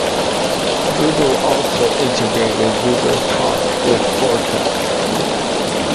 Google also integrated Google Talk with Orkut.